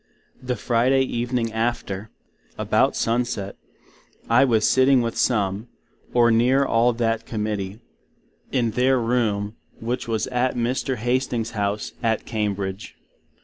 The Friday evening after, about sun set, I was sitting with some, or near all that Committee, in their room, which was at Mr. Hastings's House at Cambridge.